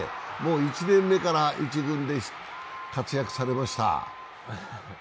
１年目から１軍で活躍されました。